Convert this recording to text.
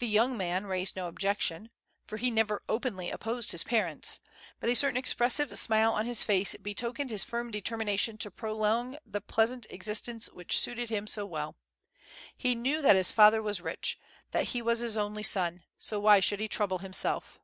The young man raised no objection; for he never openly opposed his parents; but a certain expres sive smile on his face betokened his firm determination to prolong the pleasant existence which suited him so well. He knew that his father was rich, that he was his only son, so why should he trouble himself?